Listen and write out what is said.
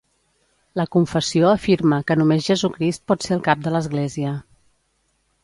La confessió afirma que només Jesucrist pot ser el cap de l'església.